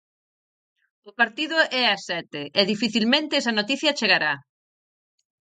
O partido é as sete e dificilmente esa noticia chegará.